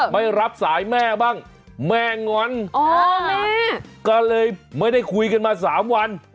ไม่รับสายแม่บ้างแม่งอนอ๋อแม่ก็เลยไม่ได้คุยกันมา๓วัน